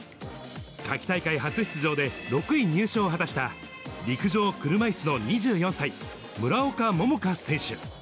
夏季大会初出場で、６位入賞を果たした、陸上車いすの２４歳、村岡桃佳選手。